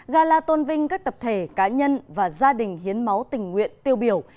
gala tôn vinh các tập thể cá nhân và gia đình hiến máu tình nguyện tiêu biểu